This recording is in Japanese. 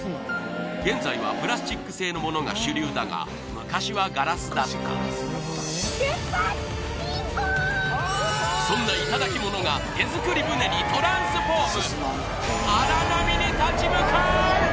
現在はプラスチック製のものが主流だが昔はガラスだったそんな頂きものが手作り舟にトランスフォーム！